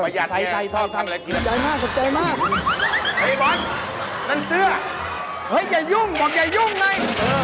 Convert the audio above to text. เฮ้ยอย่ายุ่งบอกอย่ายุ่งไง